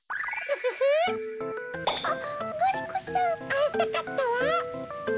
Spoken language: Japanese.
あいたかったわ。